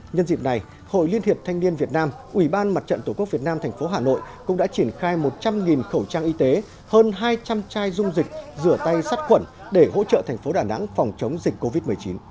nhân dịp này hội liên hiệp thanh niên việt nam ủy ban mặt trận tổ quốc việt nam thành phố hà nội cũng đã triển khai một trăm linh khẩu trang y tế hơn hai trăm linh chai dung dịch rửa tay sát khuẩn để hỗ trợ thành phố đà nẵng phòng chống dịch covid một mươi chín